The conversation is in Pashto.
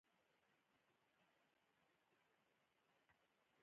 دولتونه او وګړي نورې موخې هم لري.